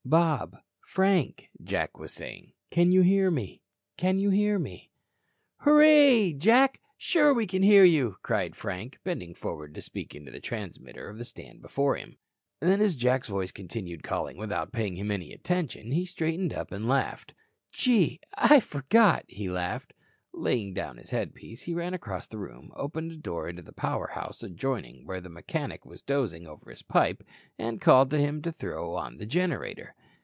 Bob. Frank," Jack was saying. "Can you hear me? Can you hear me?" "Hurray, Jack, sure we can hear you," cried Frank, bending forward to speak into the transmitter on the stand before him. Then as Jack's voice continued calling without paying him any attention, he straightened up and laughed. "Gee. I forgot," he laughed. Laying down his headpiece, he ran across the room; opened a door into the power house adjoining where the mechanic was dozing over his pipe and called to him to throw on the generator.